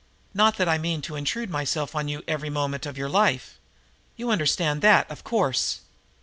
Not that I mean to intrude myself on you every moment of your life. You understand that, of course?"